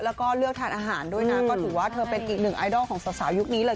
แล้วก็เลือกทานอาหารด้วยนะก็ถือว่าเธอเป็นอีกหนึ่งไอดอลของสาวยุคนี้เลย